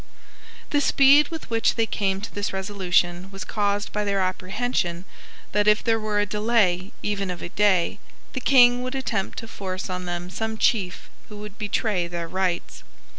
The speed with which they came to this resolution was caused by their apprehension that, if there were a delay even of a day, the King would attempt to force on them some chief who would betray their rights.